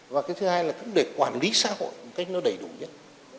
và cái thứ hai là cũng để quản lý xã hội một cách nó đầy đủ nhất